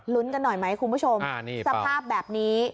กันหน่อยไหมคุณผู้ชมสภาพแบบนี้